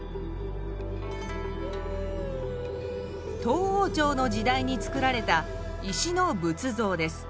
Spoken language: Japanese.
唐王朝の時代に造られた石の仏像です。